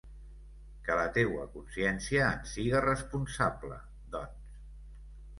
Que la teua consciència en siga responsable, doncs.